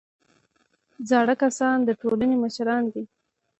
زاړه کسان د ټولنې مشران دي